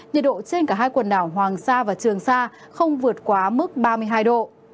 nhiệt độ trên cả hai quần đảo hoàng sa và trường sa không vượt quá mức ba mươi hai độ